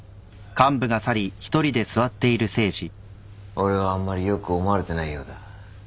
俺はあんまり良く思われてないようだ。